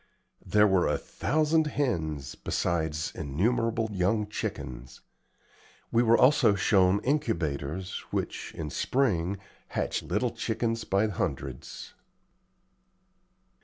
There were a thousand hens, besides innumerable young chickens. We were also shown incubators, which, in spring, hatch little chickens by hundreds.